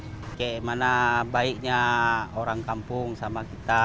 bagaimana baiknya orang kampung sama kita